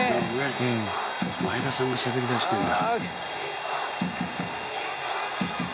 前田さんがしゃべりだしてるんだ。